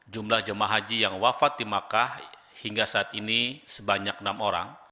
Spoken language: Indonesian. jumlah jemaah haji yang wafat di makkah hingga saat ini sebanyak enam orang